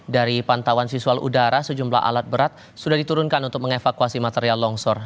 dari pantauan siswa udara sejumlah alat berat sudah diturunkan untuk mengevakuasi material longsor